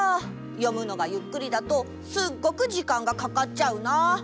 読むのがゆっくりだとすっごく時間がかかっちゃうな。